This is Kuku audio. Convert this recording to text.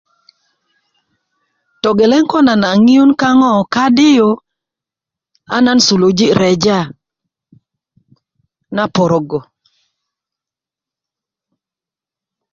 togeleŋ ko nan a ŋiyun kaŋ kadi yu a nan suluji reja na porogo